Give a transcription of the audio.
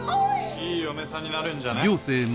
いい嫁さんになれるんじゃない？